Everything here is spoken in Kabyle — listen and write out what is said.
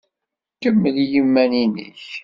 Kemmel i yiman-nnek.